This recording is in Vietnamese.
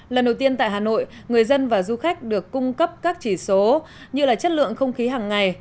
lần đầu tiên tại hà nội người dân và du khách được cung cấp các chỉ số như là chất lượng không khí hàng ngày